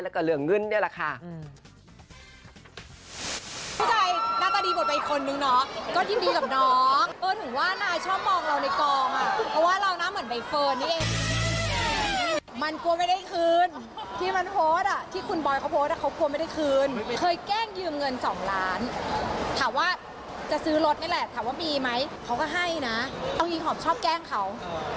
แล้วก็เรื่องเงินนี่แหละค่ะ